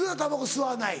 吸わない？